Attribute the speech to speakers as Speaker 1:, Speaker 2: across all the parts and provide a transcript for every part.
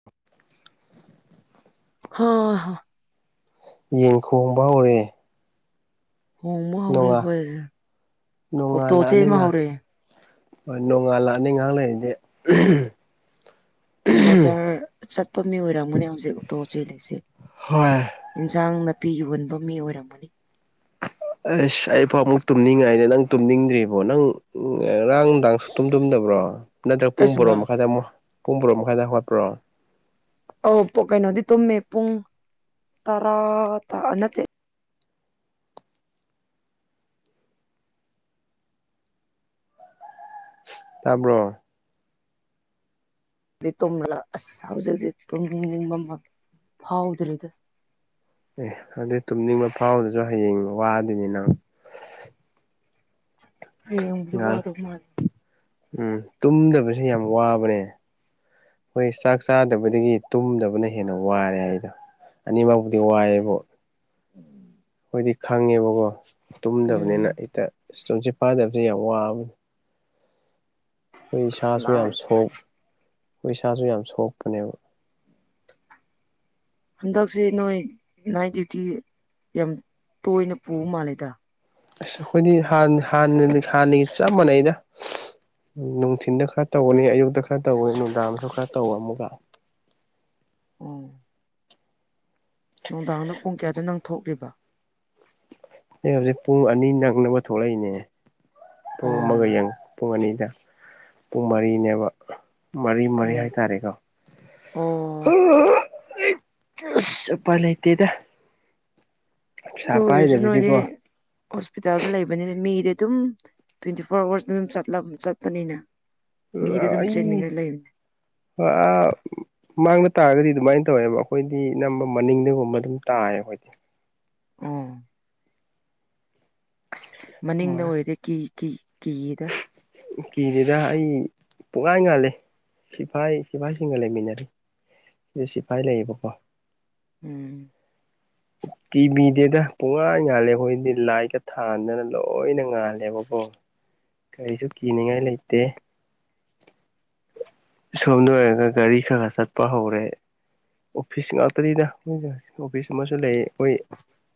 Speaker 1: [inaudible]
Speaker 2: ꯍꯣꯏ‌‌ ꯍ
Speaker 1: ꯌꯦꯟ ꯈꯣꯡꯕ ꯍꯧꯔꯦ
Speaker 2: ꯈꫭꯡꯕ ꯍꯧꯔꯦ
Speaker 1: ꯅꯣꯡꯉꯥ
Speaker 2: ꯑꯩꯈꯣꯏꯖꯤ ꯑꯣꯛꯇꯣ
Speaker 1: ꯅꯣꯡꯉꯥꯜꯂꯛꯑꯅꯤ
Speaker 2: ꯆꯦꯟꯕ
Speaker 1: ꯉꯥ
Speaker 2: ꯍꯧꯔꯦ
Speaker 1: ꯍꯣꯏ ꯅꯣꯡꯉꯥꯜ ꯂꯥꯅꯤ ꯉꯥꯏꯍꯥꯛ ꯂꯩꯔꯤꯗꯤ
Speaker 2: ꯕꯖꯥꯔ ꯆꯠꯄ ꯃꯤ ꯑꯣꯏꯔꯝꯒꯅꯤ ꯍꯧꯖꯤꯛ ꯑꯣꯇꯣ ꯆꯦꯜꯂꯤꯁꯦ
Speaker 1: ꯍꯣꯏ
Speaker 2: ꯏꯟꯁꯥꯡ ꯅꯥꯄꯤꯒꯤ ꯎꯟꯕ ꯃꯤ ꯑꯣꯏꯔꯝꯒꯅꯤ
Speaker 1: ꯑꯁ ꯑꯩꯐꯥꯎ ꯑꯃꯨꯛ ꯇꯨꯝꯅꯤꯡꯉꯥꯏꯅꯦ ꯅꯪ ꯇꯨꯝꯅꯤꯡꯗ꯭ꯔꯤꯕꯣ ꯅꯪ ꯎ ꯉꯔꯥꯡ ꯥꯡ ꯁꯨ ꯇꯨꯝ ꯇꯨꯝꯗꯕ꯭ꯔꯣ ꯅꯠꯇ꯭ꯔꯒ
Speaker 2: ꯑꯁ
Speaker 1: ꯄꯨꯡ ꯣꯔꯣ
Speaker 2: ꯉꯥ
Speaker 1: ꯃꯈꯥꯏꯗꯛ ꯄꯨꯡ ꯣꯔꯣꯛ ꯃꯈꯥꯏꯗꯈꯠꯄ꯭ꯔꯣ
Speaker 2: ꯑꯧ ꯀꯩꯅꯣꯗꯤ ꯇꯨꯝꯃꯦ ꯄꯨꯡ ꯇꯔꯥ ꯇ ꯅꯠꯇꯦ
Speaker 1: ꯇꯥꯕ꯭ꯔꯣ
Speaker 2: ꯑ ꯇꯂ ꯑꯁꯖꯗꯤ ꯇꯨꯝꯅꯤꯡꯅꯤꯡꯕ ꯑꯃ ꯐꯥꯎꯗ꯭ꯔꯤꯗ
Speaker 1: ꯑꯦ ꯑꯗꯨꯩ ꯇꯨꯝꯅꯤꯡꯕ ꯐꯥꯎꯕꯗꯁꯨ ꯍꯌꯦꯡ ꯋꯥꯗꯣꯏꯅꯤ ꯅꯪ
Speaker 2: ꯍꯌꯦꯡꯕꯨꯗꯤ
Speaker 1: ꯉꯥꯏꯍꯥꯛ
Speaker 2: ꯋꯥꯗꯧ ꯃꯥꯜꯜꯂꯤꯦ
Speaker 1: ꯎꯝ ꯇꯨꯝꯗꯕꯁꯦ ꯌꯥꯝ ꯋꯥꯕꯅꯦ ꯍꯣꯏ ꯆꯥꯛ ꯆꯥꯗꯕꯗꯒꯤ ꯇꯨꯝꯗꯕꯅ ꯍꯦꯟꯅ ꯋꯥꯔꯦ ꯍꯥꯏꯗ ꯑꯅꯤꯃꯛꯄꯨꯗꯤ ꯋꯥꯏꯌꯦꯕꯨ ꯑꯩꯈꫭꯏꯗꯤ ꯈꯪꯉꯦꯕꯀꯣ
Speaker 2: ꯎꯝ
Speaker 1: ꯇꯨꯝꯗꯕꯅꯤꯅ ꯍꯦꯛꯇ ꯇꯨꯝꯁꯤꯠ ꯐꯥꯗꯕꯁꯦ ꯌꯥꯝ ꯋꯥꯕꯅꯤ ꯑꯩ
Speaker 2: ꯑꯁ
Speaker 1: ꯏꯁꯥꯁꯨ ꯌꯥꯝ
Speaker 2: ꯅꯥꯟ
Speaker 1: ꯁꯣꯛ ꯏꯁꯥꯖꯨ ꯌꯥꯝ ꯁꯣꯛꯄꯅꯦꯕ [inaudible]
Speaker 2: ꯍꯟꯗꯛꯁꯤ ꯅꯣꯏ ꯅꯥꯏꯠ ꯗ꯭ꯌꯨꯏꯇꯤ ꯌꯥꯝ ꯇꯣꯏꯅ ꯄꯨꯕ ꯃꯥꯜꯂꯤꯗ
Speaker 1: ꯑꯁ ꯑꯩꯈꯣꯏꯗꯤ ꯍꯥꯟꯅ ꯍꯥꯟꯅꯗꯤ ꯍꯥꯟꯅꯒꯤ ꯆꯞ ꯃꯥꯟꯅꯩꯩꯗ ꯅꯨꯡꯊꯤꯟꯗ ꯈꯔ ꯇꯧꯕꯅꯤ ꯑꯌꯨꯛꯇ ꯈꯔ ꯇꯧꯕ ꯅꯨꯡꯗꯥꯡꯗꯁꯨ ꯈꯔ ꯇꯧꯕ ꯑꯃꯨꯛꯀ
Speaker 2: ꯎꯝ ꯅꯨꯡꯗꯥꯡꯗ ꯄꯨꯡ ꯀꯌꯥꯗꯩ ꯅꯪ ꯊꯣꯛꯂꯤꯕ
Speaker 1: ꯑꯩ ꯍꯧꯖꯤꯛ ꯄꯨꯡ ꯑꯅꯤ ꯅꯪꯅꯕ ꯊꯣꯛꯂꯛꯏꯅꯦ ꯄꯨꯡ
Speaker 2: ꯑꯣ
Speaker 1: ꯑꯃꯒ ꯌꯦꯡꯉꯨ ꯄꯨꯡ ꯑꯅꯤꯗ ꯄꯨꯡ ꯃꯔꯤꯅꯦꯕ ꯃꯔꯤ ꯃꯔꯤ
Speaker 2: ꯎꯝ
Speaker 1: ꯍꯥꯏꯇꯥꯔꯦꯀꯣ
Speaker 2: ꯑꯣ
Speaker 1: ꯆꯁ ꯎꯄꯥꯏ ꯂꯩꯥꯇꯦꯗ
Speaker 2: ꯑꯗꯨ ꯑꯣꯏꯔꯁꯨ ꯅꫭꯏꯗꯤ
Speaker 1: ꯄꯥꯏꯗꯕꯁꯤꯀꯣ
Speaker 2: ꯍꯣꯁꯄꯤꯇꯥꯜꯗ ꯂꯩꯕꯅꯤꯅ ꯃꯤꯗꯤ ꯑꯗꯨꯝ ꯇꯌꫭꯟꯇꯤ ꯐꯣꯔ ꯑꯋꯥꯔꯁꯇ ꯑꯗꯨꯝ ꯆꯠꯂꯝ ꯆꯠꯄꯅꯤꯅ ꯃꯤꯗꯤ ꯑꯗꯨꯝ ꯆꯤꯟꯅꯤꯡꯉꯥꯏ ꯂꯩꯕꯅꯦ
Speaker 1: ꯑ ꯃꯥꯡꯗ ꯇꯥꯔꯒꯗꯤ ꯑꯗꯨꯃꯥꯏ ꯇꯧꯋꯦꯕ ꯑꯩꯈꯣꯏꯗꯤ ꯑꯅꯝꯕ ꯃꯅꯤꯡꯗꯒꯨꯝꯕ ꯑꯗꯨꯝ ꯇꯥꯏꯌꯦ ꯑꯩꯈꯣꯏꯗꯤ
Speaker 2: ꯎꯝ ꯑꯁ ꯃꯅꯤꯡꯗ ꯑꫭꯏꯔꯗꯤ ꯀꯤ ꯀꯤ ꯀꯤꯗ
Speaker 1: ꯀꯤꯗꯦꯗ ꯑꯩ ꯄꯨꯛꯉꯥꯟ ꯉꯥꯜꯂꯦ ꯁꯤꯐꯥꯏ ꯁꯤꯐꯥꯏꯁꯤꯡꯒ ꯂꯩꯃꯤꯟꯅꯔꯤ ꯁꯤꯗ ꯁꯤꯐꯥꯏ ꯂꯩꯌꯦꯕꯀꯣ
Speaker 2: ꯎꯝ
Speaker 1: ꯀꯤꯕꯤꯗꯦꯗ ꯄꯨꯡꯉꯥꯟ ꯉꯥꯜꯂꯦ ꯑꯩꯈꯣꯏꯗꯤ ꯂꯥꯏꯠꯀ ꯊꯥꯟꯗꯅ ꯂꯣꯏꯅ ꯉꯥꯜꯂꯦꯕꯀꯣ ꯀꯔꯤꯁꯨ ꯀꯤꯅꯤꯡꯉꯥꯏ ꯂꯩꯇꯦ ꯁꯣꯝꯗ ꯑꯣꯏꯔꯒ ꯒꯥꯔꯤ ꯈꯒ ꯆꯠꯄ ꯍꯧꯔꯦ ꯑꯣꯐꯤꯁ ꯉꯥꯛꯇꯅꯤꯗ ꯑꯗꯨꯅꯅꯦ ꯑꯣꯐꯤꯁ ꯑꯃꯁꯨ ꯂꯩꯌꯦ ꯑꯩꯈꯣꯏ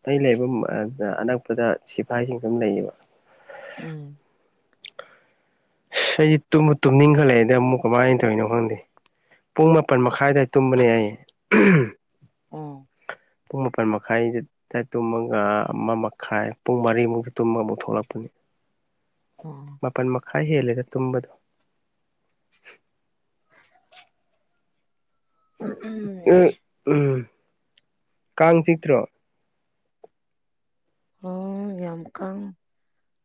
Speaker 1: ꯑꯩ ꯂꯩꯕ ꯑꯅꯛꯄꯗ ꯁꯤꯐꯥꯏꯁꯤꯡꯁꯨ ꯗꯨꯝ ꯂꯩꯌꯦꯕ
Speaker 2: ꯎꯝ
Speaker 1: ꯑꯩ ꯇꯨꯝꯃꯨ ꯇꯨꯝꯅꯤꯡꯈꯠꯂꯛꯑꯩꯗ ꯑꯃꯨꯛ ꯀꯃꯥꯏ ꯇꯧꯅꯣ ꯈꯪꯗꯦ ꯄꯨꯡ ꯃꯥꯄꯜ ꯃꯈꯥꯏꯗ ꯇꯨꯝꯕꯅꯦ ꯑꯩ
Speaker 2: ꯎꯝ
Speaker 1: ꯄꯨꯡ ꯃꯥꯄꯟ ꯃꯈꯥꯏꯗ ꯉꯁꯥꯏ ꯇꯨꯝꯃꯒ ꯑꯃ ꯃꯈꯥꯏ ꯄꯨꯡ ꯃꯔꯤꯃꯨꯛ ꯇꯨꯝꯃꯃꯨꯛ ꯊꯣꯛꯂꯛꯄꯅꯤ
Speaker 2: ꯎꯝ
Speaker 1: ꯃꯥꯄꯜ ꯃꯈꯥꯏ ꯍꯦꯜꯂꯦꯗ ꯇꯨꯝꯕꯗ
Speaker 2: ꯎꯝ
Speaker 1: ꯎꯝ ꯀꯥꯡ ꯆꯤꯛꯇ꯭ꯔꯣ
Speaker 2: ꯑꯣ ꯌꯥꯝꯀꯥꯡ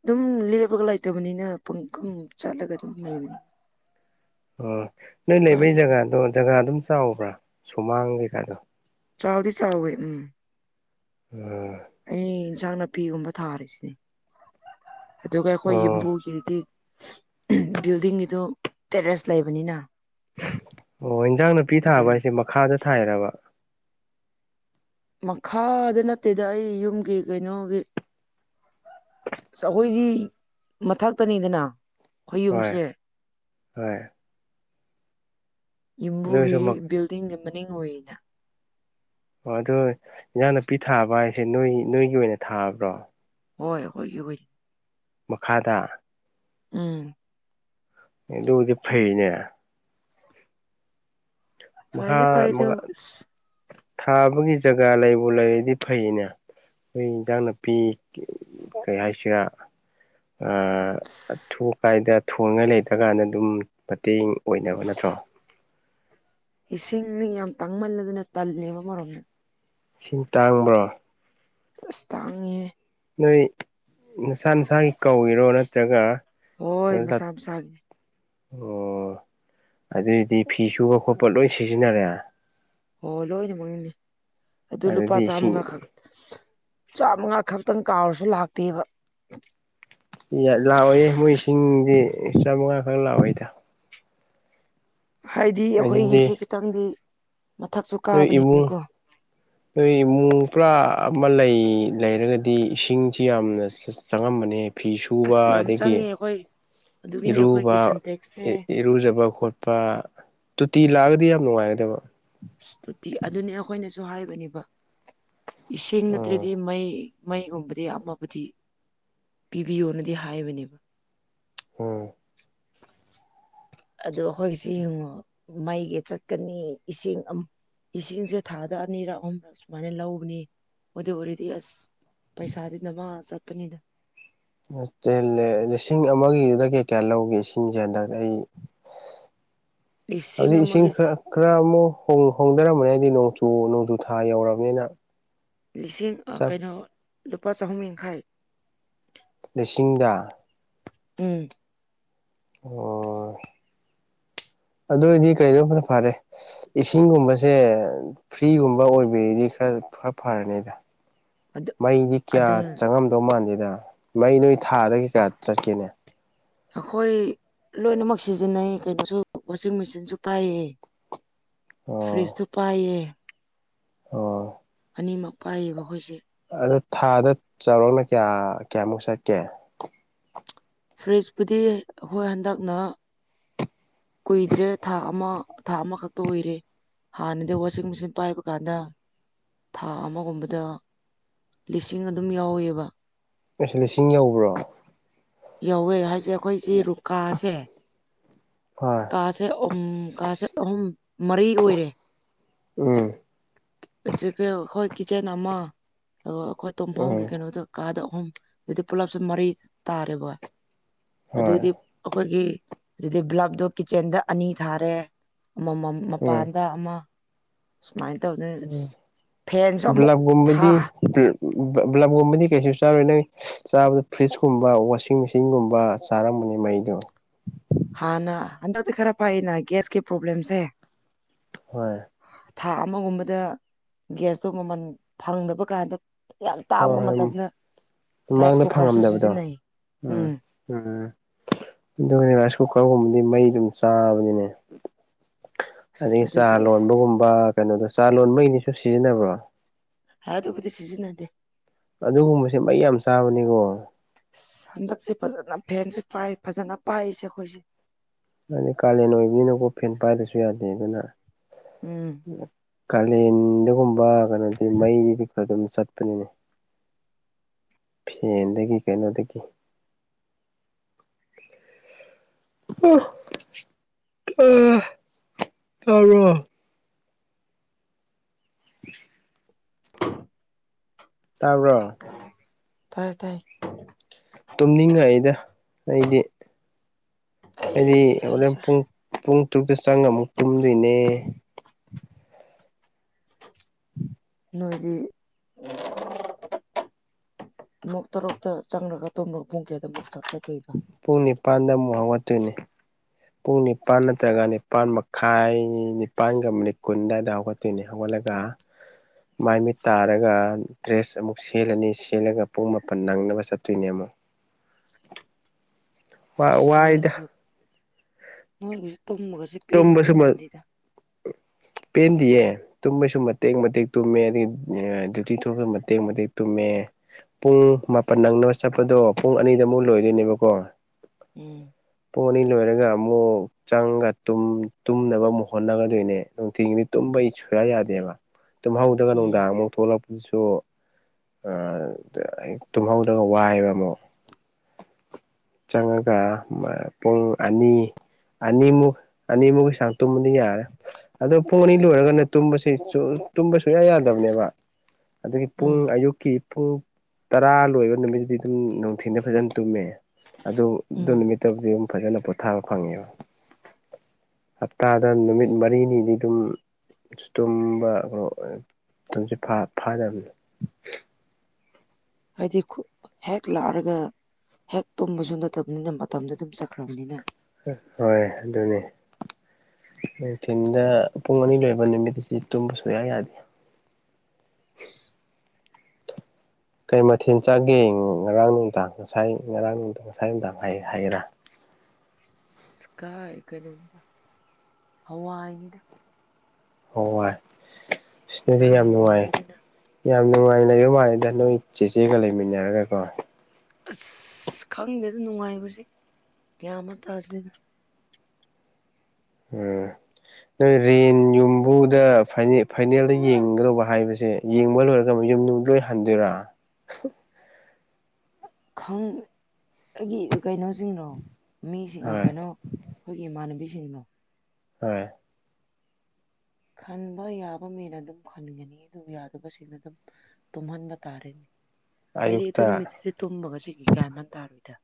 Speaker 2: ꯑꯗꯨꯝ ꯂꯦꯞꯄꯒ ꯂꯩꯇꯕꯅꯤꯅ ꯄꯨꯡ ꯈꯨꯝ ꯆꯠꯂꯒ ꯑꯗꯨꯝ ꯂꯩꯕꯅꯦ
Speaker 1: ꯑꯣ ꯅꯣꯏ ꯂꯩꯕꯩ
Speaker 2: ꯀꯥꯏꯗꯦꯗ
Speaker 1: ꯖꯒꯥꯗꯣ ꯖꯒꯥ ꯑꯗꯨꯝ ꯆꯥꯎꯕ꯭ꯔꯥ ꯁꯨꯃꯥꯡ ꯀꯩꯀꯥꯗꯣ
Speaker 2: ꯆꯥꯎꯗꯤ ꯆꯥꯎꯋꯦ ꯎꯝ
Speaker 1: ꯎꯝ
Speaker 2: ꯑꯩ ꯏꯟꯁꯥꯡ ꯅꯥꯄꯤꯒꯨꯝꯕ ꯊꯥꯔꯤꯁꯤꯅꯤ ꯑꯗꯨꯒ ꯑꯩꯈꯣꯏ ꯌꯨꯝꯕꯨꯒꯤꯗꯤ ꯎꯝ ꯕꯤꯜꯗꯤꯡꯒꯤꯗꯨ ꯇꯦꯔꯦꯁ ꯂꯩꯕꯅꯤꯅ
Speaker 1: ꯑꯣ ꯏꯟꯖꯥꯡ ꯅꯥꯄꯤ
Speaker 2: ꯑꯗꯨꯗ
Speaker 1: ꯊꯥꯕ ꯍꯥꯏꯁꯦ ꯃꯈꯥꯗ ꯊꯥꯏꯔꯕ
Speaker 2: ꯃꯈꯥꯗ ꯅꯠꯇꯦꯗ ꯑꯩ ꯌꯨꯝꯒꯤ ꯀꯩꯅꯣꯒꯤ ꯑꯩꯈꯣꯏꯗꯤ ꯃꯊꯛꯇꯅꯤꯗꯅ ꯑꯩꯈꯣꯏ
Speaker 1: ꯍꯣꯏ
Speaker 2: ꯌꯨꯝꯁꯦ
Speaker 1: ꯍꯣꯏ
Speaker 2: ꯌꯨꯝꯕꯨꯒꯤ
Speaker 1: ꯑꯗꯨꯁꯨ
Speaker 2: ꯕꯤꯜꯗꯤꯡꯒꯤ ꯃꯅꯤꯡ ꯑꯣꯏꯔꯤꯅ
Speaker 1: ꯍꫭꯏ ꯑꯗꯣ ꯏꯟꯖꯥꯡ ꯅꯥꯄꯤ ꯊꯥꯕ ꯍꯥꯏꯁꯦ ꯅꯣꯏ ꯅꯣꯏꯒꯤ ꯑꯣꯏꯅ ꯊꯥꯕ꯭ꯔꯣ
Speaker 2: ꯍꯣꯏ ꯑꯩꯈꫭꯏꯒꯤ ꯑꫭꯏ
Speaker 1: ꯃꯈꯥꯗ
Speaker 2: ꯎꯝ
Speaker 1: ꯑꯗꯨꯕꯨꯗꯤ ꯐꯩꯅꯦ ꯃꯈꯥ
Speaker 2: ꯐꯩꯌꯦ ꯐꯩ ꯑꯗꯨ ꯑꯁ
Speaker 1: ꯊꯥꯕꯒꯤ ꯖꯒꯥ ꯂꯩꯕꯨ ꯂꯩꯔꯗꯤ ꯐꯩꯅꯦ ꯈꯣꯏ ꯏꯟꯖꯥꯡ ꯅꯥꯄꯤ ꯀꯩ ꯍꯥꯏꯁꯤꯔꯥ ꯑꯊꯨ
Speaker 2: ꯑꯁ
Speaker 1: ꯑꯀꯥꯏꯗ ꯊꯣꯡꯉꯥꯏ ꯂꯩꯇꯀꯥꯟꯗ ꯑꯗꯨꯝ ꯃꯇꯦꯡ ꯑꯣꯏꯅꯕ ꯅꯠꯇ꯭ꯔꯣ
Speaker 2: ꯏꯁꯤꯡꯅ ꯌꯥꯝ ꯇꯥꯡꯃꯜꯂꯗꯅ ꯇꯜꯂꯦꯕ ꯑꯃꯔꯣꯝꯗ
Speaker 1: ꯏꯁꯤꯡ ꯇꯥꯡꯕ꯭ꯔꯣ
Speaker 2: ꯑꯁ ꯇꯥꯡꯉꯤꯍꯦ
Speaker 1: ꯅꯣꯏ ꯅꯁꯥ ꯅꯁꯥꯒꯤ ꯀꯧꯏꯔꯣ ꯅꯠꯇ꯭ꯔꯒ
Speaker 2: ꯍꯣꯏ ꯃꯁꯥ ꯃꯁꯥꯒꯤ
Speaker 1: ꯑꯣ ꯑꯗꯨꯏꯗꯤ ꯐꯤ ꯁꯨꯕ ꯈꯣꯠꯄ ꯂꯣꯏ ꯁꯤꯖꯤꯟꯅꯔꯦ
Speaker 2: ꯍꯣ ꯂꯣꯏꯅꯃꯛꯅꯤ ꯑꯗꯨ
Speaker 1: ꯑꯗꯨꯗꯤ
Speaker 2: ꯂꯨꯄꯥ
Speaker 1: ꯏꯁꯤꯡ
Speaker 2: ꯆꯥꯝꯃꯉꯥꯈꯛ ꯆꯥꯝꯃꯉꯥ ꯈꯛꯇꯪ ꯀꯥꯎꯔꯁꯨ ꯂꯥꯛꯇꯦꯕ
Speaker 1: ꯌꯦꯠ ꯂꯥꯛꯑꯣꯏꯌꯦ ꯃꯣꯏ ꯏꯁꯤꯡꯗꯤ ꯆꯥꯝꯃꯉꯥ ꯈꯛ ꯂꯥꯛꯑꯣꯏꯗ
Speaker 2: ꯍꯥꯏꯗꯤ
Speaker 1: ꯑꯗꯨꯗꯤ
Speaker 2: ꯑꯩꯈꯣꯏꯒꯤꯁꯤ ꯈꯤꯇꯪꯗꯤ ꯃꯊꯛꯁꯨ
Speaker 1: ꯅꯣꯏ ꯏꯕꯨꯡ
Speaker 2: ꯀꯥꯕꯅꯤꯅꯀꯣ
Speaker 1: ꯅꯣꯏ ꯏꯃꯨꯡ ꯄꯨꯔꯥ ꯑꯃ ꯂꯩ ꯂꯩꯔꯒꯗꯤ ꯏꯁꯤꯡꯁꯤ ꯌꯥꯝꯅ ꯆꯪꯉꯝꯕꯅꯦ ꯐꯤ ꯁꯨꯕ
Speaker 2: ꯑꯁ ꯌꯥꯝ
Speaker 1: ꯑꯗꯒꯤ
Speaker 2: ꯆꯪꯉꯦ ꯑꯩꯈꯣꯏ ꯑꯗꯨꯒꯤꯅꯤ
Speaker 1: ꯏꯔꯨꯕ
Speaker 2: ꯑꯩꯈꯣꯏꯒꯤ ꯁꯟꯇꯦꯛꯁꯁꯦ
Speaker 1: ꯏꯔꯨꯖꯕ ꯈꯣꯠ ꯄꯥ ꯇꯣꯇꯤ ꯂꯥꯛꯑꯒꯗꯤ ꯌꯥꯝ ꯅꯨꯡꯉꯥꯏꯒꯗꯕ
Speaker 2: ꯑꯁ ꯇꯨꯇꯤ ꯑꯗꯨꯅꯤ ꯑꯩꯈꯣꯏꯅꯁꯨ ꯍꯥꯏꯕꯅꯦꯕ ꯏꯁꯤꯡ
Speaker 1: ꯎꯝ
Speaker 2: ꯅꯠꯇ꯭ꯔꯗꯤ ꯃꯩ ꯃꯩꯒꯨꯝꯕꯗꯤ ꯑꯃꯕꯨꯗꯤ ꯄꯤꯕꯤꯌꯣꯅꯗꯤ ꯍꯥꯏꯕꯅꯦꯕ
Speaker 1: ꯎꯝ
Speaker 2: [inaudible] ꯑꯗꯣ ꯑꯩꯈꯣꯏꯒꯤꯁꯦ ꯌꯦꯡꯉꯣ ꯃꯩꯒꯤ ꯆꯠꯀꯅꯤ ꯏꯁꯤꯡ ꯑꯃꯨꯛ ꯏꯁꯤꯡꯁꯦ ꯊꯥꯗ ꯑꯅꯤꯔꯛ ꯑꯍꯨꯝꯔꯛ ꯁꯨꯃꯥꯏꯅ ꯂꯧꯕꯅꯦ ꯑꯗꯨ ꯑꯣꯏꯔꯗꯤ ꯑꯁ ꯄꯩꯁꯥꯗꯤ ꯅꯃꯥ ꯆꯠꯄꯅꯤꯗ
Speaker 1: ꯇꯦꯜꯂꯦ ꯂꯤꯁꯤꯡ ꯑꯃꯒꯤꯗꯨꯗꯒꯤ ꯀꯌꯥ ꯂꯧꯒꯤ ꯏꯁꯤꯡꯖꯦ ꯍꯟꯗꯛ ꯑꯩ
Speaker 2: ꯂꯤꯁꯤꯡ
Speaker 1: ꯍꯧꯖꯤꯛ ꯏꯁꯤꯡ
Speaker 2: ꯑꯃꯒꯤ
Speaker 1: ꯈꯔ ꯈꯔ ꯑꯃꯨꯛ ꯍꯣꯡ ꯍꯣꯡꯗꯔꯝꯕꯅꯤ ꯍꯥꯏꯗꯤ ꯅꯣꯡꯆꯨ ꯅꯣꯡꯖꯨꯊꯥ ꯌꯧꯔꯕꯅꯤꯅ
Speaker 2: ꯂꯤꯁꯤꯡ ꯑꯥ
Speaker 1: ꯆꯞ
Speaker 2: ꯀꯩꯅꯣ ꯂꯨꯄꯥ ꯆꯍꯨꯝ ꯌꯥꯡꯈꯩ
Speaker 1: ꯂꯤꯁꯤꯡꯗꯥ
Speaker 2: ꯎꯝ
Speaker 1: ꯑꯣ ꯑꯗꯨꯑꯣꯏꯗꯤ ꯀꯩꯅꯣꯐꯅ ꯐꯔꯦ ꯏꯁꯤꯡꯒꯨꯝꯕꯁꯦ ꯐ꯭ꯔꯤꯒꯨꯝꯕ ꯑꯣꯏꯕꯤꯔꯗꯤ ꯈꯔ ꯈꯔ ꯐꯔꯅꯤꯗ
Speaker 2: ꯑꯗꯨ
Speaker 1: ꯃꯩꯗꯤ ꯀꯌꯥ
Speaker 2: ꯑꯗꯨ
Speaker 1: ꯆꯪꯉꯝꯗꯧ ꯃꯥꯟꯗꯦꯗ ꯃꯩ ꯅꯣꯏ ꯊꯥꯗ ꯀꯩ ꯀꯌꯥ ꯆꯠꯀꯦꯅꯦ
Speaker 2: ꯑꯩꯈꯣꯏ ꯂꯣꯏꯅꯃꯛ ꯁꯤꯖꯤꯟꯅꯩ ꯀꯩꯅꯣꯁꯨ ꯋꯥꯆꯤꯡ ꯃꯦꯆꯤꯟꯁꯨ ꯄꯥꯏꯌꯦ
Speaker 1: ꯑꯣ
Speaker 2: ꯐ꯭ꯔꯤꯖꯇꯨ ꯄꯥꯏꯌꯦ
Speaker 1: ꯑꯣ
Speaker 2: ꯑꯅꯤꯃꯛ ꯄꯥꯏꯌꯦꯕ ꯑꯈꯣꯏꯁꯦ
Speaker 1: ꯑꯗꯣ ꯊꯥꯗ ꯆꯥꯎꯔꯥꯛꯅ ꯀꯌꯥ ꯀꯌꯥꯃꯨꯛ ꯆꯠꯀꯦ
Speaker 2: ꯐ꯭ꯔꯤꯖꯄꯨꯗꯤ ꯑꯩꯈꯣꯏ ꯍꯟꯗꯛꯅ ꯀꯨꯏꯗ꯭ꯔꯦ ꯊꯥ ꯑꯃ ꯊꯥ ꯑꯃꯈꯛꯇ ꯑꯣꯏꯔꯦ ꯍꯥꯟꯅꯗꯤ ꯋꯥꯆꯤꯡ ꯃꯦꯆꯤꯟ ꯄꯥꯏꯕ ꯀꯥꯟꯗ ꯊꯥ ꯑꯃꯒꯨꯝꯕꯗ ꯂꯤꯁꯤꯡ ꯑꯗꯨꯝ ꯌꯥꯎꯋꯦꯕ
Speaker 1: ꯑꯦꯁ ꯂꯤꯁꯤꯡ ꯌꯧꯕ꯭ꯔꯣ
Speaker 2: ꯌꯧꯋꯦ ꯍꯥꯏꯁꯦ ꯑꯩꯈꯣꯏꯁꯤ ꯔꯨꯀꯥꯁꯦ
Speaker 1: ꯍꯣꯏ
Speaker 2: ꯀꯥ ꯁꯦ ꯑꯨꯝ ꯀꯥꯁꯦ ꯑꯍꯨꯝ ꯃꯔꯤ ꯑꯣꯏꯔꯦ
Speaker 1: ꯎꯝ
Speaker 2: ꯍꯧꯖꯤꯛꯀꯤꯑꯣ ꯑꯩꯈꯣꯏ ꯀꯤꯠꯆꯟ ꯑꯃ ꯑꯗꯨꯒ ꯑꯩꯈꯣꯏ ꯇꯨꯝꯐꯝꯒꯤ
Speaker 1: ꯎꯝ
Speaker 2: ꯀꯩꯅꯣꯗꯣ ꯀꯥꯗ ꯑꯍꯨꯝ ꯗꯨꯗꯤ ꯄꯨꯂꯞꯁꯦ ꯃꯔꯤ ꯇꯥꯔꯦꯕ
Speaker 1: ꯍꯣꯏ
Speaker 2: ꯑꯗꯨꯗꯤ ꯑꯩꯈꯣꯏꯒꯤ ꯑꯗꯨꯗꯤ ꯕ꯭ꯂꯞꯗꯣ ꯀꯤꯠꯆꯟꯗ ꯑꯅꯤ ꯊꯥꯔꯦ ꯑꯃꯝꯃꯝ
Speaker 1: ꯎꯝ
Speaker 2: ꯃꯄꯥꯟꯗ ꯑꯃ ꯁꯨꯃꯥꯏ ꯇꯧꯗꯅ
Speaker 1: ꯎꯝ
Speaker 2: ꯐꯦꯟꯁꯨ ꯑꯃꯨꯛ ꯊꯥ
Speaker 1: ꯕ꯭ꯂꯞꯒꯨꯝꯕꯗꯤ ꯕ꯭ꯂꯞꯒꯨꯝꯕꯗꯤ ꯀꯩꯁꯨ ꯆꯥꯔꯣꯏ ꯅꯪ ꯆꯥꯕꯗ ꯐ꯭ꯔꯤꯖꯀꯨꯝꯕ ꯋꯥꯁꯤꯡ ꯃꯦꯆꯤꯟꯒꯨꯝꯕ ꯆꯥꯔꯝꯕꯅꯤ ꯃꯩꯗꯣ
Speaker 2: ꯍꯥꯟꯅ ꯍꯟꯗꯛꯇꯤ ꯈꯔ ꯐꯩꯅ ꯒꯦꯁꯀꯤ ꯄ꯭ꯔꯣꯕ꯭ꯂꯦꯝꯁꯦ
Speaker 1: ꯍꯣꯏ
Speaker 2: ꯊꯥ ꯑꯃꯒꯨꯝꯕꯗ ꯒ꯭ꯌꯥꯁꯇꯣ ꯃꯃꯜ ꯐꯪꯗꯕ ꯀꯥꯟꯗ ꯌꯥꯝ
Speaker 1: ꯍꯣꯏ
Speaker 2: ꯇꯥꯡꯕ
Speaker 1: ꯍꯣꯏ
Speaker 2: ꯃꯇꯝꯗ ꯔꯥꯏꯁ
Speaker 1: ꯃꯃꯥꯡꯗ
Speaker 2: ꯀꯨꯀꯔꯁꯨ
Speaker 1: ꯐꯪꯉꯝꯗꯕꯗꯣ
Speaker 2: ꯁꯤꯖꯤꯟꯅꯩ ꯎꯝ
Speaker 1: ꯎꯝ ꯑꯗꯨꯒ ꯔꯥꯏꯁ ꯀꯨꯀꯔꯒꯨꯝꯕꯗꯤ ꯃꯩ ꯑꯗꯨꯝ ꯆꯥꯕꯅꯤꯅꯦ
Speaker 2: ꯑꯁ
Speaker 1: ꯑꯗꯒꯤ ꯆꯥ
Speaker 2: ꯑꯗꯨꯒꯤ ꯑꯁ
Speaker 1: ꯂꯣꯟꯕꯒꯨꯝꯕ ꯀꯩꯅꯣꯗꯣ ꯆꯥ ꯂꯣꯟꯕꯒꯤꯗꯤꯁꯨ ꯁꯤꯖꯤꯟꯅꯕ꯭ꯔꯣ
Speaker 2: ꯍꯥ ꯑꯗꯨꯕꯨꯗꯤ ꯁꯤꯖꯤꯟꯅꯗꯦ
Speaker 1: ꯑꯗꯨꯒꯨꯝꯕꯁꯦ ꯃꯩ ꯌꯥꯝ ꯆꯥꯕꯅꯦꯀꯣ
Speaker 2: ꯍꯟꯗꯛꯁꯦ ꯐꯖꯅ ꯐꯦꯟꯁꯨ ꯄꯥꯏ ꯐꯖꯅ ꯄꯥꯏꯁꯦ ꯑꯩꯈꯣꯏꯁꯦ
Speaker 1: ꯑꯗꯨꯗꯤ ꯀꯥꯂꯦꯟ ꯑꯣꯏꯕꯤꯅꯨꯀꯣ ꯐꯦꯟ ꯄꯥꯏꯔꯁꯨ ꯌꯥꯗꯦ ꯑꯗꯨꯅ
Speaker 2: ꯎꯝ
Speaker 1: ꯀꯥꯂꯦꯟꯗꯒꯨꯝꯕ ꯀꯩꯅꯣꯗꯤ ꯃꯩꯗꯤ ꯑꯗꯨꯝ ꯆꯠꯄꯅꯤꯅꯦ ꯐꯦꯟꯗꯒꯤ ꯀꯩꯅꯣꯗꯒꯤ ꯍꯥ ꯑꯥ ꯇꯥꯕꯔꯣ꯫ [inaudible] ꯇꯥꯕ꯭ꯔꯣ
Speaker 2: ꯇꯥꯏꯌꯦ ꯇꯥꯏꯌꯦ
Speaker 1: ꯇꯨꯝꯅꯤꯡꯉꯥꯏꯩꯗ ꯑꯩꯗꯤ
Speaker 2: ꯑꯩ
Speaker 1: ꯑꯩꯗꯤ ꯍꯣꯔꯦꯟ
Speaker 2: ꯑꯩꯁꯨ
Speaker 1: ꯄꯨꯡ ꯄꯨꯡ ꯇꯔꯨꯛꯇ ꯆꯪꯉ ꯑꯃꯨꯛ ꯇꯨꯝꯗꯣꯏꯅꯦ
Speaker 2: ꯅꯣꯏꯒꯤ ꯑꯃꯨꯛ ꯇꯔꯨꯛꯇ ꯆꯪꯉꯒ ꯇꯣꯒ ꯄꯨꯡ ꯀꯌꯥꯗ ꯑꯃꯨꯛ ꯆꯊꯄꯤꯣ
Speaker 1: ꯄꯨꯡ ꯅꯤꯄꯥꯟꯗ ꯑꯃꯨꯛ ꯍꯧꯒꯠꯇꯣꯏꯅꯤ ꯄꯨꯡ ꯅꯤꯄꯥꯜ ꯅꯠꯇ꯭ꯔꯒ ꯅꯤꯄꯥꯜ ꯃꯈꯥꯏ ꯅꯤꯄꯥꯜꯒꯅꯤꯠ ꯀꯨꯟꯗꯥꯏꯗ ꯍꯦꯒꯥꯠꯇꯣꯏꯅꯦ ꯍꯧꯒꯩꯂꯒꯥ ꯃꯥꯏꯃꯤꯠ ꯇꯥꯔꯒ ꯗ꯭ꯔꯦꯁ ꯑꯃꯨꯛ ꯁꯦꯜꯂꯅꯤ ꯁꯦꯜꯂꯒ ꯄꯨꯡ ꯃꯥꯄꯟ ꯅꯪꯅꯕ ꯆꯠꯇꯣꯏꯅꯦ ꯑꯃꯨꯛ
Speaker 2: ꯑꯁ
Speaker 1: ꯋꯥꯏꯗ
Speaker 2: ꯅꯣꯏꯒꯤꯁꯨ ꯅꯣꯏꯒꯤꯁꯨ ꯇꯨꯝꯃꯒꯁꯤ
Speaker 1: ꯇꯝꯕꯁꯨꯃ ꯄꯦꯟꯗꯤꯌꯦꯦ ꯇꯨꯝꯕꯁꯨ ꯃꯇꯦꯛ ꯃꯇꯦꯛ ꯇꯨꯝꯃꯦ ꯑꯗꯒꯤ ꯗ꯭ꯌꯨꯇꯤ ꯊꯣꯛꯂꯛꯄꯁꯨ ꯃꯇꯦꯛ ꯃꯇꯦꯛ ꯇꯨꯝꯃꯦ ꯄꯨꯡ ꯃꯥꯄꯟ ꯅꯪꯅꯕ ꯆꯠꯄꯗꯣ ꯄꯨꯡ ꯑꯅꯤꯗꯃꯨꯛ ꯂꯣꯏꯗꯣꯏꯅꯦꯕꯀꯣ
Speaker 2: ꯎꯝ
Speaker 1: ꯄꯨꯡ ꯑꯅꯤ ꯂꯣꯏꯔꯒ ꯑꯃꯨꯛ ꯆꯪꯒ ꯇꯨꯝ ꯇꯨꯝꯅꯕ ꯑꯃꯨꯛ ꯍꯣꯠꯅꯒꯗꯣꯏꯅꯦ ꯅꯨꯡꯊꯤꯒꯤꯗꯤ ꯇꯨꯝꯕ ꯁꯨꯌꯥ ꯌꯥꯗꯦꯕ ꯇꯨꯝꯍꯧꯗꯒ
Speaker 2: ꯎꯝ
Speaker 1: ꯅꯨꯡꯗꯪ ꯑꯃꯨꯛ ꯄꯨꯂꯞ ꯁꯨ ꯑꯥ ꯇꯨꯝꯍꯧꯗꯒ ꯋꯥꯏꯑꯕ ꯑꯃꯨꯛ ꯆꯪꯉꯒ ꯄꯨꯡ ꯑꯅꯤ ꯑꯅꯤꯃꯨꯛ ꯑꯅꯤꯃꯨꯛ ꯁꯥꯡꯅ ꯇꯨꯝꯃꯗꯤ ꯌꯥꯔꯦ ꯑꯗꯣ ꯐꯣꯟ ꯑꯅꯤ ꯂꯣꯏꯔꯒꯅ ꯇꯨꯝꯕꯁꯦ ꯇꯨꯝꯕ ꯁꯨꯌꯥ ꯌꯥꯗꯕꯅꯦꯕ ꯑꯗꯨꯒꯤ ꯄꯨꯡ
Speaker 2: ꯎꯝ
Speaker 1: ꯑꯌꯨꯛꯀꯤ ꯄꯨꯡ ꯇꯔꯥ ꯂꯣꯏꯕ ꯅꯨꯃꯤꯠꯇꯗꯤ ꯑꯗꯨꯝ ꯅꯤꯡꯊꯤꯅ ꯐꯖꯅ ꯇꯨꯝꯃꯦ ꯑꯗꯨ ꯑꯗꯨ
Speaker 2: ꯎꯝ
Speaker 1: ꯅꯨꯃꯤꯠꯇꯕꯨꯗꯤ ꯑꯗꯨꯝ ꯐꯖꯅ ꯄꯣꯊꯥꯕ ꯐꯪꯉꯦꯕ ꯍꯞꯇꯥꯗ ꯅꯨꯃꯤꯠ ꯃꯔꯤꯅꯤꯗꯤ ꯁꯨꯝ ꯇꯨꯝꯕ ꯀ ꯇꯨꯝꯁꯦ ꯐꯥꯗꯕꯅꯤ
Speaker 2: ꯍꯥꯏꯗꯤ ꯍꯦꯛ ꯂꯥꯛꯑꯒ ꯍꯦꯛ ꯇꯨꯝꯕꯁꯨ ꯅꯠꯇꯕꯅꯤꯅ ꯃꯇꯝꯗ ꯑꯗꯨꯝ ꯆꯠꯈ꯭ꯔꯕꯅꯤꯅ
Speaker 1: ꯍꯣꯏ ꯑꯗꯨꯅꯤ ꯅꯨꯡꯊꯤꯤꯟꯗ ꯄꯨꯡ ꯑꯅꯤ ꯂꯣꯏꯕ ꯅꯨꯃꯤꯠ ꯑꯁꯤ ꯇꯨꯝꯕ ꯁꯨꯌꯥ ꯌꯥꯗꯦ
Speaker 2: [inaudible]
Speaker 1: ꯀꯩ ꯃꯊꯦꯜ ꯆꯥꯒꯦ ꯉꯔꯥꯡ ꯅꯨꯡꯗꯥꯡ ꯉꯁꯥꯏ ꯉꯔꯥꯡ ꯅꯨꯡꯃꯤꯗꯥꯡ ꯉꯁꯥꯏ ꯅꯨꯡꯃꯤꯗꯥꯡ ꯍꯥꯏꯒꯦꯔꯥ
Speaker 2: ꯀꯥꯏ ꯀꯩꯅꯣꯅꯤꯗꯥ ꯍꯋꯥ ꯍꯥꯏ ꯅꯤꯡꯗꯥ
Speaker 1: ꯍꯣꯏ ꯍꯏ ꯁꯤꯅꯗꯤ
Speaker 2: ꯏꯟꯁꯥꯡ
Speaker 1: ꯌꯥꯝ ꯅꯨꯡꯉꯥꯏ
Speaker 2: ꯍꯥꯎꯃꯟꯕꯗꯨꯅ
Speaker 1: ꯌꯥꯝ ꯅꯨꯡꯉꯥꯏ ꯂꯩꯕ ꯃꯥꯜꯂꯦꯗ ꯅꯣꯏ ꯆꯦꯆꯦꯒ ꯂꯩꯃꯤꯟꯅꯔꯒꯀꯣ
Speaker 2: ꯑꯁ ꯈꯪꯗꯦꯗ ꯅꯨꯡꯉꯥꯏꯕꯁꯦ ꯀꯌꯥ ꯑꯃ ꯇꯥꯗꯦꯅ
Speaker 1: ꯎꯝ ꯅꯣꯏ ꯔꯦꯟ ꯌꯨꯝꯕꯨꯗ ꯐꯥꯏꯅꯦꯜꯗ ꯌꯦꯡꯒꯗꯧꯕ ꯍꯥꯏꯕꯁꯦ ꯌꯦꯡꯕ ꯂꯣꯏꯔꯒ ꯌꯨꯝꯗꯨꯨꯝ ꯂꯣꯏ ꯍꯟꯗꯣꯏꯔꯥ
Speaker 2: ꯈꯪꯒꯤ ꯀꯩꯅꯣꯁꯤꯡꯅꯣ ꯃꯤꯁꯤꯡꯅ
Speaker 1: ꯍꯣꯏ
Speaker 2: ꯀꯩꯅꯣ ꯑꯩꯈꯣꯏꯒꯤ ꯏꯃꯥꯟꯅꯕꯤꯁꯤꯡꯅꯣ
Speaker 1: ꯍꯣꯏ
Speaker 2: ꯈꯟꯕ ꯌꯥꯕꯅꯦꯅ ꯑꯗꯨꯝ ꯈꯟꯒꯅꯤ ꯑꯗꯨ ꯌꯥꯗꯕꯁꯤꯡꯅ ꯑꯗꯨꯝ ꯇꯨꯍꯟ ꯇꯥꯔꯦꯅꯦ ꯍꯥꯏꯗꯤ ꯑꯗꯨ
Speaker 1: ꯑꯌꯨꯛꯇ
Speaker 2: ꯅꯨꯃꯤꯠꯇꯨꯗꯤ ꯇꯨꯝꯃꯒ ꯁꯤꯒꯤ ꯀꯃꯥꯟ ꯇꯥꯔꯣꯏꯗ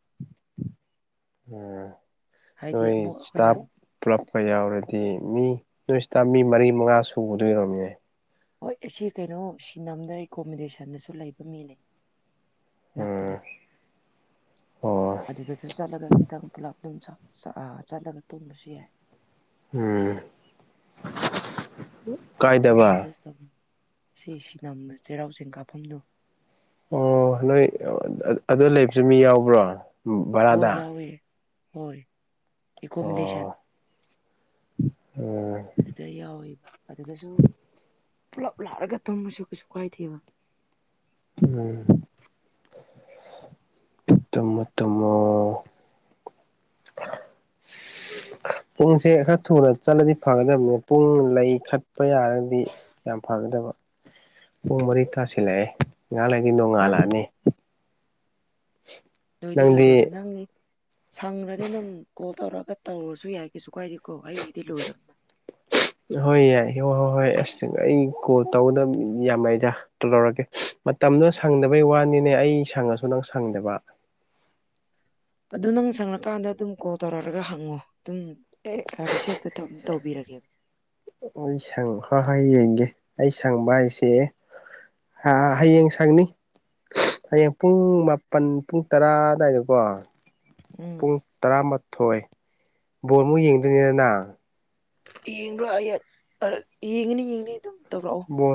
Speaker 2: ꯍꯥꯏꯗꯤ
Speaker 1: ꯎꯝꯣꯏ
Speaker 2: ꯑꯃꯨꯛ
Speaker 1: ꯆꯇꯥ
Speaker 2: ꯑꯩꯈꯣꯏꯅ
Speaker 1: ꯄꯨꯂꯞꯀ ꯌꯥꯎꯔꯗꯤ ꯃꯤ ꯅꯣꯏꯁꯤꯇꯥ ꯃꯤ ꯃꯔꯤ ꯃꯉꯥ ꯁꯨꯕꯗꯣꯏꯔꯣꯝꯅꯦ
Speaker 2: ꯍꯣꯏ ꯑꯁꯤ ꯀꯩꯅꯣ ꯁꯤ ꯅꯝꯗ ꯑꯦꯀꯣꯃꯤꯣꯗꯦꯁꯟꯗꯁꯨ ꯂꯩꯕ ꯃꯤ ꯂꯩ ꯅꯛꯄꯗ
Speaker 1: ꯎꯝ ꯑꯣ
Speaker 2: ꯑꯗꯨꯗꯁꯨ ꯆꯠꯂꯒ ꯈꯤꯇꯪ ꯄꯨꯂꯞ ꯑꯗꯨꯝ ꯆ ꯑꯥ ꯆꯠꯂꯒ ꯇꯨꯝꯕꯁꯨ ꯌꯥꯏ
Speaker 1: ꯎꯝ
Speaker 2: ꯑꯗꯨꯝ
Speaker 1: ꯀꯥꯏꯗꯕ
Speaker 2: ꯑꯦꯗꯖꯁ ꯇꯧ ꯁꯤ ꯁꯤ ꯅꯝꯕ ꯆꯩꯔꯥꯎ ꯆꯤꯡ ꯀꯥꯞꯐꯝꯗꯣ
Speaker 1: ꯑꯣ ꯅꯣꯏ ꯑꯗꯨ ꯂꯩꯕꯁꯨ ꯃꯤ ꯌꯥꯎꯕ꯭ꯔꯣ
Speaker 2: ꯍꯣꯏ
Speaker 1: ꯚꯔꯥꯗ
Speaker 2: ꯌꯥꯎꯋꯦ ꯍꯣꯏ ꯑꯦꯀꯣꯃꯤꯗꯦꯁꯟ
Speaker 1: ꯑꯣ ꯎꯝ
Speaker 2: ꯑꯗꯨꯗ ꯌꯥꯎꯋꯦꯕ ꯑꯗꯨꯗꯁꯨ ꯄꯨꯂꯞ ꯂꯥꯂꯒ ꯇꯝꯕꯁꯨ ꯀꯩꯁꯨ ꯀꯥꯏꯗꯦꯕ
Speaker 1: ꯎꯝ ꯎꯝ ꯊꯃ ꯄꯔ ꯄꯨꯡꯁꯦ ꯈꯔ ꯊꯨꯅ ꯆꯠꯂꯗꯤ ꯐꯒꯗꯕꯅꯤ ꯄꯨꯡ ꯂꯩ ꯆꯠꯄ ꯌꯥꯔꯒꯗꯤ ꯌꯥꯝ ꯐꯒꯗꯕ ꯄꯨꯡ ꯃꯔꯤ ꯇꯥꯁꯤꯜꯂꯛꯑꯦ ꯉꯍꯥꯟꯗꯒꯤ
Speaker 2: ꯅꯪ
Speaker 1: ꯅꯣꯡꯉꯥꯜꯂꯛꯑꯅꯤ
Speaker 2: ꯅꯣꯏꯗꯤ
Speaker 1: ꯅꯪꯗꯤ
Speaker 2: ꯂꯣꯏꯗꯧꯅ ꯅꯪꯅꯤ ꯁꯪꯈꯗꯤ ꯑꯗꯨꯝ ꯀꯣꯜ ꯇꯧꯔꯛꯑꯒ ꯇꯧꯔꯁꯨ ꯌꯥꯏ ꯀꯩꯁꯨ ꯀꯥꯏꯗꯦꯀꯣ ꯑꯩꯒꯤꯗꯤ ꯂꯣꯏꯔꯕꯅꯤꯅ
Speaker 1: ꯍꯣꯏ ꯌꯥꯏ ꯍꯣꯏ ꯍꯣꯏ ꯍꯣꯏ ꯑꯁ ꯑꯩ ꯀꯣꯜ ꯇꯧꯒꯗꯕ ꯃꯤ ꯌꯥꯝꯃꯗ ꯂꯧꯔꯒꯦ ꯃꯇꯝꯗꯨꯣ ꯁꯪꯗꯕꯩ ꯋꯥꯅꯤꯅꯦ ꯑꯩ ꯁꯪꯉꯁꯨ ꯅꯪ ꯁꯪꯗꯕ
Speaker 2: ꯑꯗꯨ ꯅꯪ ꯁꯪꯉꯛꯀꯥꯟꯗ ꯑꯗꯨꯝ ꯀꯣꯜ ꯇꯧꯔꯛꯑꯒ ꯍꯪꯉꯣ ꯑꯗꯨꯝ ꯑꯦ ꯔꯤꯁꯤꯞꯇꯣ ꯇꯧꯕꯤꯔꯒꯦꯕ
Speaker 1: ꯑꯩ ꯁꯪꯕ ꯍꯥꯏꯌꯦꯡꯒꯦ ꯑꯩ ꯁꯪꯕ ꯍꯥꯏꯁꯦ ꯑ ꯍꯌꯦꯡ ꯁꯪꯅꯤ ꯍꯌꯦꯡ ꯄꯨꯡ ꯃꯥꯄꯜ ꯄꯨꯡ ꯇꯔꯥ ꯑꯗꯨꯗꯥꯋꯥꯏꯗꯀꯣ
Speaker 2: ꯎꯝ
Speaker 1: ꯄꯨꯡ ꯇꯔꯥꯃꯥꯊꯣꯏ ꯕꯣꯣꯔꯃꯨꯛ ꯌꯦꯡꯗꯣꯏꯅꯤꯅ ꯅ
Speaker 2: ꯌꯦꯡꯕ꯭ꯔꯣ ꯌꯦꯡꯤꯅꯤ ꯌꯦꯡꯅꯤ ꯑꯗꯨꯝ ꯇꯧꯔꯛꯑꯣ
Speaker 1: ꯕ